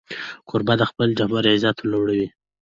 کوربه د خپل ټبر عزت لوړوي.